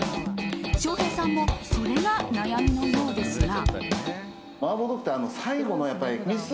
翔平さんもそれが悩みのようですが。